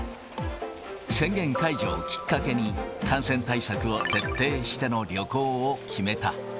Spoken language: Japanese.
宣言解除をきっかけに、感染対策を徹底しての旅行を決めた。